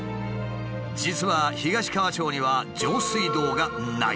実は東川町には上水道がない。